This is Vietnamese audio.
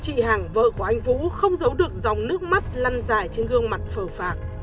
chị hằng vợ của anh vũ không giấu được dòng nước mắt lăn dài trên gương mặt phở phạng